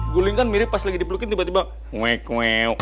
guling kan mirip pas lagi dipelukin tiba tiba ngok ngo